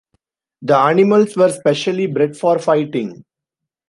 The animals were specially bred for fighting.